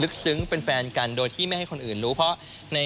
ซึ้งเป็นแฟนกันโดยที่ไม่ให้คนอื่นรู้เพราะใน